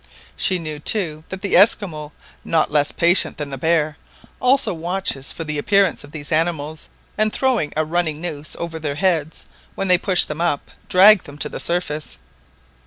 She knew, too, that the Esquimaux, not less patient than the bears, also watch for the appearance of these animals, and throwing a running noose over their heads when they push them up, drag them to the surface.